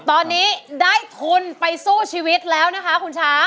ตอนนี้ได้ทุนไปสู้ชีวิตแล้วนะคะคุณช้าง